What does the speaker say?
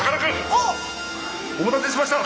お待たせしました！